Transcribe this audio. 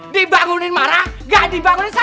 dibangunin marah gak dibangunin salah